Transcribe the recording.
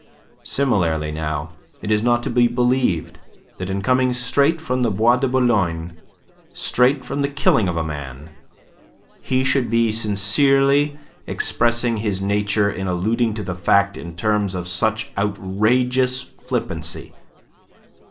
Similarly now, it is not to be believed that in coming straight from the Bois de Boulogne, straight from the killing of a man, he should be sincerely expressing his nature in alluding to the fact in terms of such outrageous flippancy.